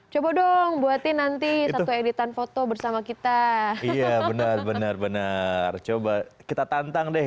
coba dong buatin nanti satu editan foto bersama kita iya benar benar benar coba kita tantang deh